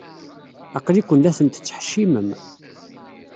Aql-iken la tent-tettḥeccimem.